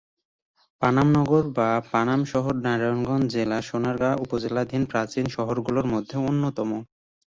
পানাম নগর বা পানাম শহর নারায়ণগঞ্জ জেলার সোনারগাঁ উপজেলাধীন প্রাচীন শহর গুলোর মধ্যে অন্যতম।